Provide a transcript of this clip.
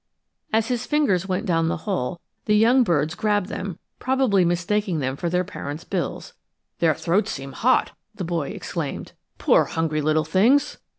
As his fingers went down the hole, the young birds grabbed them, probably mistaking them for their parents' bills. "Their throats seem hot," the boy exclaimed; "poor hungry little things!"